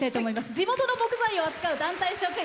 地元の木材を扱う団体職員。